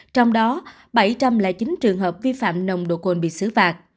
trong đó bảy trăm linh chín trường hợp vi phạm nồng đồ côn bị xử phạt